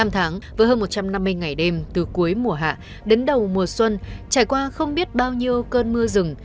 năm tháng vừa hơn một trăm năm mươi ngày đêm từ cuối mùa hạ đến đầu mùa xuân trải qua không biết bao nhiêu cơn mưa rừng